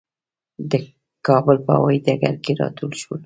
د کابل په هوايي ډګر کې راټول شولو.